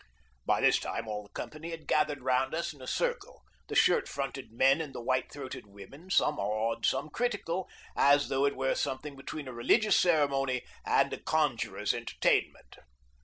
By this time all the company had gathered round us in a circle, the shirt fronted men, and the white throated women, some awed, some critical, as though it were something between a religious ceremony and a conjurer's entertainment.